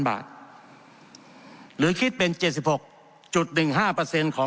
บาทหรือคิดเป็นเจสสิบหกจุดหนึ่งห้าเปอร์เซ็นต์ของ